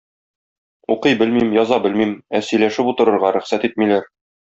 Укый белмим, яза белмим, ә сөйләшеп утырырга рөхсәт итмиләр.